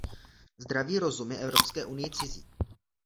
Zdravý rozum je Evropské unii cizí.